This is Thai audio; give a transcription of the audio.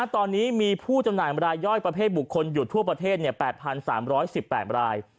ตอนนี้มีผู้จำหน่ายรายย่อยประเภทบุคคลอยู่ทั่วประเทศ๘๓๑๘ราย